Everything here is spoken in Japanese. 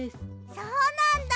そうなんだ。